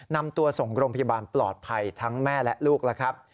นำตัวส่งโรงพยาบาลปลอดภัยทั้งแม่และลูกแล้วครับ